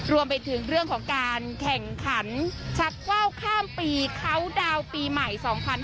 รวมไปถึงเรื่องของการแข่งขันชักว่าวข้ามปีเขาดาวน์ปีใหม่๒๕๕๙